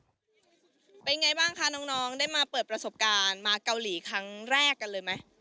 เป็นไงบ้างคะน้องได้มาเปิดประสบการณ์มาเกาหลีครั้งแรกกันเลยไหม